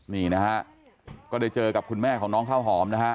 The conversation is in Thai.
นี่นะฮะก็ได้เจอกับคุณแม่ของน้องข้าวหอมนะฮะ